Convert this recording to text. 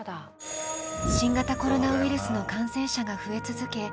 新型コロナウイルスの感染者が増え続け